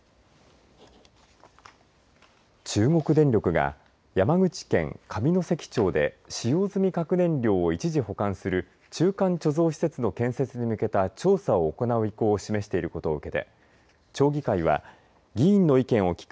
中国電力が山口県上関町で使用済み核燃料を一時保管する中間貯蔵施設の建設に向けた調査を行う意向を示していることを受けて町議会は議員の意見を聞く